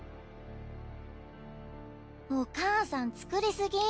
お母さん作り過ぎ。